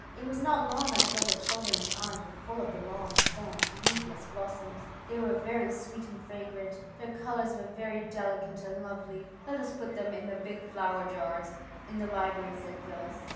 It was not long until the children's arms were full of the long stemmed, leafless blos soms. They were very sweet and fragrant. Their colours were very delicate and lovely. ^^ Let us put them in the big flower jars in the library," said Phyllis.